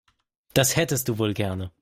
Das hättest du wohl gerne.